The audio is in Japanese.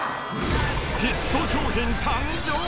ヒット商品誕生？